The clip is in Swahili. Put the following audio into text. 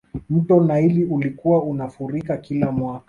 mto naili ulikuwa unafurika kila mwaka